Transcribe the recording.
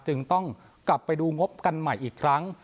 จึงต้องกลับไปดูงบกันใหม่อีกครั้ง